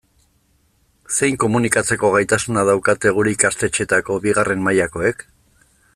Zein komunikatzeko gaitasuna daukate gure ikastetxeetako bigarren mailakoek?